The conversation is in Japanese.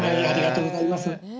ありがとうございます。